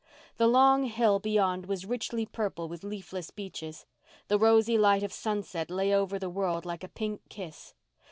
The long hill beyond was richly purple with leafless beeches. The rosy light of sunset lay over the world like a pink kiss.